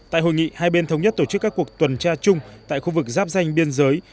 tại hội nghị hai bên thống nhất tổ chức các cuộc tuần tra chung tại khu vực giáp danh biên giới